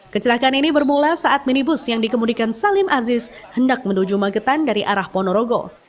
kecelakaan ini bermula saat minibus yang dikemudikan salim aziz hendak menuju magetan dari arah ponorogo